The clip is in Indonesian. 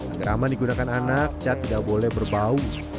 agar aman digunakan anak cat tidak boleh berbau